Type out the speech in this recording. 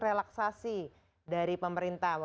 relaksasi dari pemerintah